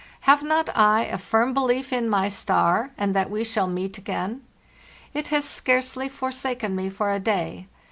Have not I a firm belief in my star, and that we shall meet again? It has scarcely forsaken me for a day.